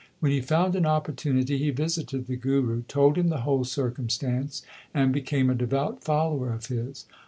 When he found an opportunity he visited the Guru, told him the whole circumstance, and became a devout follower of his.